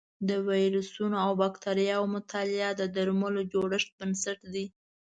د ویروسونو او بکتریاوو مطالعه د درملو جوړولو بنسټ دی.